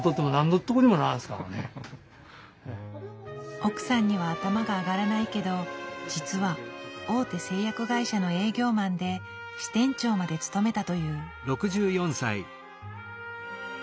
奥さんには頭が上がらないけど実は大手製薬会社の営業マンで支店長まで務めたという。